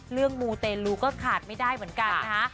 เรื่องมูเตรลูก็ขาดไม่ได้เหมือนกัน